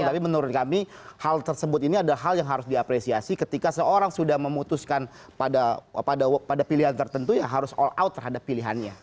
tapi menurut kami hal tersebut ini adalah hal yang harus diapresiasi ketika seorang sudah memutuskan pada pilihan tertentu ya harus all out terhadap pilihannya